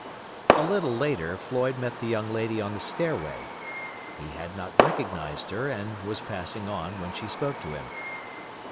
A little later Floyd met the young lady on the stairway. He had not recognized her, and was passing on, when she spoke to him.